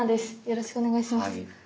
よろしくお願いします。